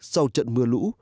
sau trận mưa lũ